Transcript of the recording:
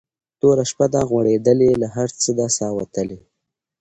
توره شپه ده غوړېدلې له هر څه ده ساه ختلې